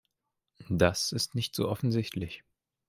Das ist nicht so offensichtlich.